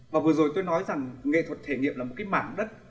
và vừa rồi tôi nói rằng nghệ thuật thể nghiệm là một cái mảng đất